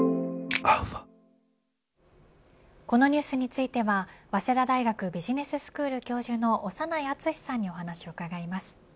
このニュースについては早稲田大学ビジネススクール教授の長内厚さんにお話を伺います。